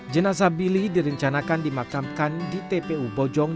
jenazah billy direncanakan dimakamkan di tpu bojong